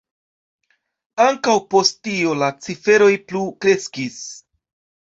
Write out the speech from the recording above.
Ankaŭ post tio la ciferoj plu kreskis.